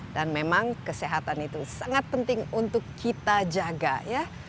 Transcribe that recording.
dan memang kesehatan itu sangat penting untuk kita jaga ya